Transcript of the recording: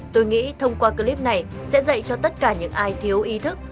tôi nghĩ thông qua clip này sẽ dạy cho tất cả những ai thiếu ý thức